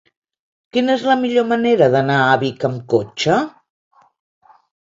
Quina és la millor manera d'anar a Vic amb cotxe?